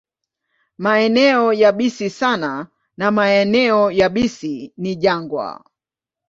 Maeneo yabisi sana na maeneo yabisi ni jangwa.